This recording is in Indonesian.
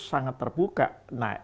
sangat terbuka nah